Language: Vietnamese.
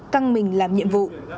căng mình làm nhiệm vụ